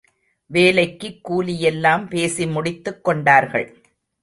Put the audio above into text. வேலைக்குக் கூலியெல்லாம் பேசி முடித்துக் கொண்டார்கள்.